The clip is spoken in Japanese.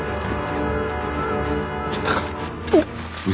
行ったか。